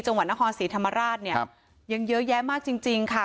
จังหวัดนครศรีธรรมราชเนี่ยยังเยอะแยะมากจริงจริงค่ะ